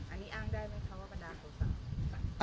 อันนี้อ้างได้มั้งคะว่าบันดาโทษะ